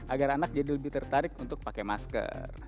agar anak jadi lebih tertarik untuk pakai masker